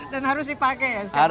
dan harus dipakai ya setiap hari